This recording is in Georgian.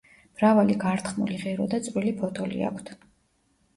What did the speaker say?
მრავალი გართხმული ღერო და წვრილი ფოთოლი აქვთ.